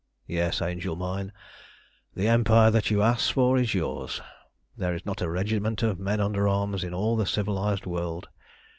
"Yes, Angel mine! the empire that you asked for is yours. There is not a regiment of men under arms in all the civilised world.